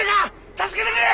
助けてくれ！